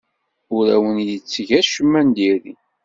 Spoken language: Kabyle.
Ur awen-yetteg acemma n diri.